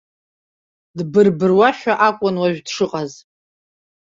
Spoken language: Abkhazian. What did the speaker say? Дбырбыруашәа акәын уажә дшыҟаз.